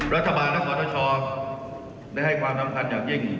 รัฐบาลและความต่อชอบได้ให้ความนำคันอย่างยิ่ง